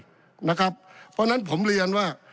เพราะฉะนั้นผมเรียนว่า